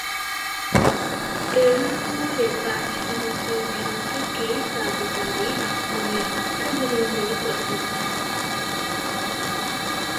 তেরো নম্বরে পাঁচ বছর গ্রন্থটি সা’দত আলি আখন্দের আত্মজীবনীমূলক রচনা।